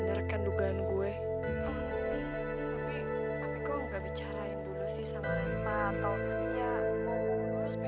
kayaknya reva kecewa banget